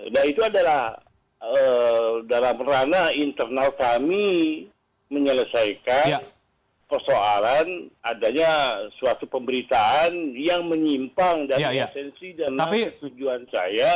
nah itu adalah dalam ranah internal kami menyelesaikan persoalan adanya suatu pemberitaan yang menyimpang dari esensi dan tujuan saya